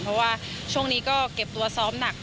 เพราะว่าช่วงนี้ก็เก็บตัวซ้อมหนัก